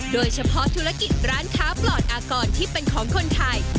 โดยเฉพาะธุรกิจร้านค้าปลอดอากรที่เป็นของคนไทย